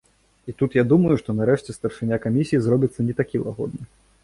І тут я думаю, што нарэшце старшыня камісіі зробіцца не такі лагодны.